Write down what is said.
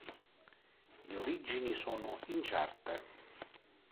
Le origini sono incerte.